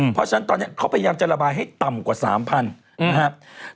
เพราะฉะนั้นตอนนี้เขาพยายามจะระบายให้ต่ำกว่า๓๐๐๐นะครับ